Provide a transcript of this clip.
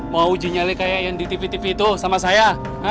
mau uji nyali kayak yang di tv tv itu sama saya